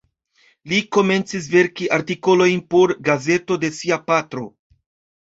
Li komencis verki artikolojn por gazeto de sia patro.